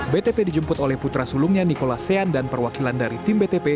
btp dijemput oleh putra sulungnya nikola sean dan perwakilan dari tim btp